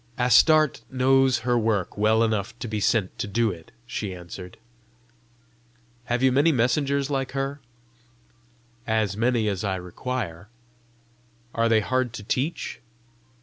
"Astarte knows her work well enough to be sent to do it," she answered. "Have you many messengers like her?" "As many as I require." "Are they hard to teach?"